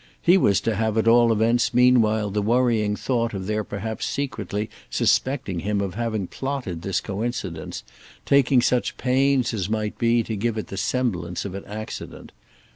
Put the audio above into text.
He was to have at all events meanwhile the worrying thought of their perhaps secretly suspecting him of having plotted this coincidence, taking such pains as might be to give it the semblance of an accident.